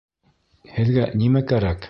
Һеҙгә нимә кәрәк?